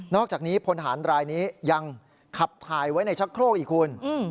อกจากนี้พลฐานรายนี้ยังขับถ่ายไว้ในชักโครกอีกคุณ